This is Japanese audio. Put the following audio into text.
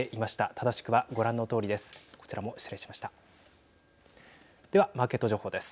正しくはご覧のとおりです。